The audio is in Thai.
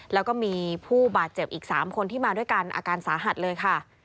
แล้วก็มีผู้บาดเจ็บอีก๓คนที่มาด้วยกันอาการสาหัสเลยค่ะ